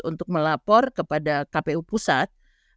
untuk melapor kepada kpu pusat